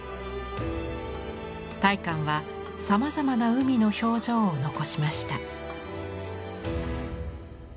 大観はさまざまな海の表情を残しました。